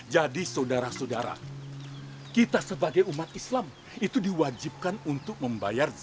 jadi saudara saudara kita sebagai umat islam itu diwajibkan untuk membayar zikir